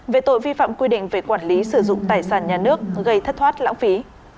về tội vi phạm quy định về quản lý sử dụng tài sản nhà nước gây thất thoát lãng phí